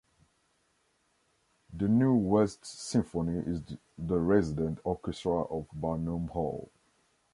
The New West Symphony is the resident orchestra of Barnum Hall.